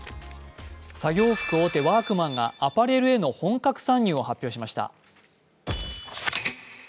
作業服大手・ワークマンがアパレルへの本格参入を発表しました。